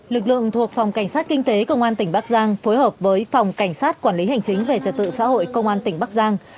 lực lượng thuộc phòng cảnh sát kinh tế công an tỉnh bắc giang phối hợp với phòng cảnh sát quản lý hành chính về trật tự xã hội công an tỉnh bắc giang